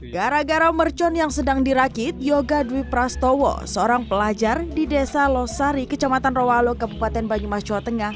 gara gara mercon yang sedang dirakit yoga dwi prastowo seorang pelajar di desa losari kecamatan roalo kabupaten banyumas jawa tengah